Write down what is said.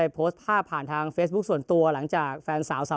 ก็อยากให้ทุกคนให้กำลังใจเมย์ค่ะ